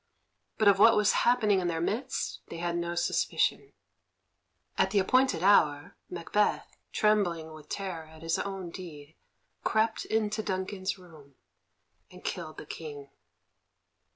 But of what was happening in their midst they had no suspicion. At the appointed hour, Macbeth, trembling with terror at his own deed, crept into Duncan's room, and killed the King.